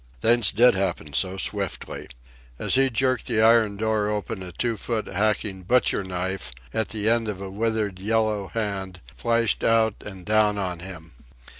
Things did happen so swiftly! As he jerked the iron door open a two foot hacking butcher knife, at the end of a withered, yellow hand, flashed out and down on him.